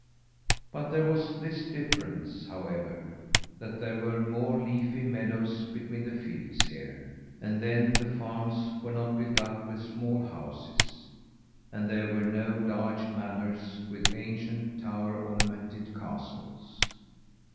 But there was this difference, however, that there were more leafy meadows between the fields here, and then the farms were not built up with small houses. And there were no large manors with ancient tower ornamented castles.